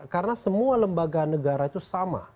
karena semua lembaga negara itu sama